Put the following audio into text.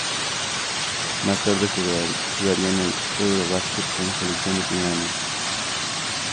Más tarde, jugaría el Eurobasket con la selección de Finlandia.